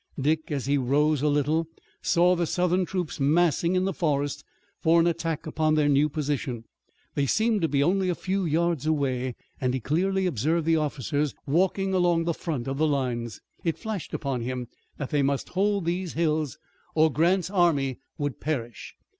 Dick, as he rose a little, saw the Southern troops massing in the forest for an attack upon their new position. They seemed to be only a few yards away and he clearly observed the officers walking along the front of the lines. It flashed upon him that they must hold these hills or Grant's army would perish.